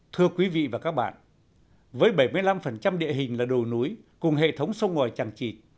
thưa quý vị và các bạn với bảy mươi năm địa hình là đồ núi cùng hệ thống sông ngòi chẳng chịt